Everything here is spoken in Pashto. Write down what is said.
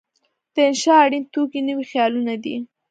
د انشأ اړین توکي نوي خیالونه دي.